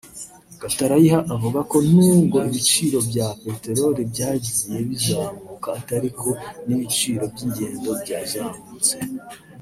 Gatarayiha avuga ko nubwo ibiciro bya peteroli byagiye bizamuka atari ko n’ibiciro by’ingendo byazamutse